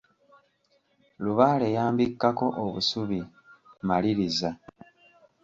Lubaale yambikkako obusubi, maliriza.